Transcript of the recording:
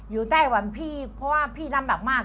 ไต้หวันพี่เพราะว่าพี่ลำบากมาก